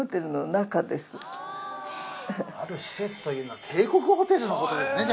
ある施設というのは帝国ホテルの事ですね